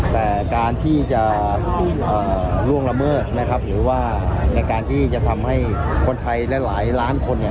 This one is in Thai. แต่การที่จะล่วงละเมิดนะครับหรือว่าในการที่จะทำให้คนไทยหลายล้านคน